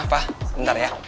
ma fah ntar ya